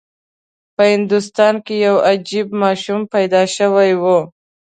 په هندوستان کې یو عجیب ماشوم پیدا شوی و.